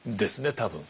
多分。